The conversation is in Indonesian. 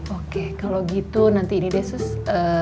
oke kalau gitu nanti ini deh suster